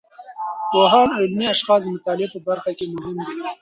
پوهان او علمي اشخاص د مطالعې په برخه کې مهم دي.